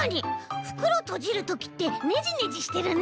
ふくろとじるときってねじねじしてるね。